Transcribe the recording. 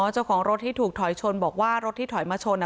เจ้าของรถที่ถูกถอยชนบอกว่ารถที่ถอยมาชน